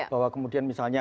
bahwa kemudian misalnya